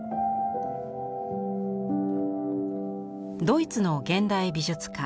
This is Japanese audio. ドイツの現代美術家